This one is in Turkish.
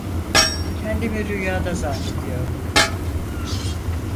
Kendimi rüyada zannediyordum.